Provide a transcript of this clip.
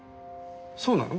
そうなの？